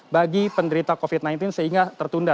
bagi penderita covid sembilan belas sehingga tertunda